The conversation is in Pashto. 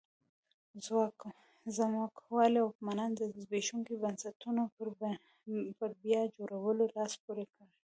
ځمکوالو واکمنانو د زبېښونکو بنسټونو پر بیا جوړولو لاس پورې کړ.